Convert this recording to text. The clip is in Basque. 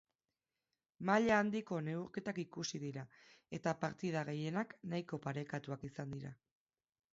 Maila handiko neurketak ikusi dira eta partida gehienak nahiko parekatuak izan dira.